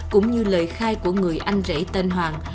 cũng như lời khai của người anh rể tên hoàng